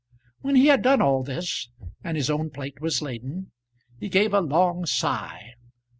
When he had done all this, and his own plate was laden, he gave a long sigh.